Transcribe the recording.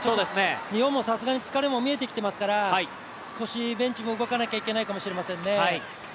日本もさすがに疲れも見えてきてますから少しベンチも動かなければいけないかもしれないですね。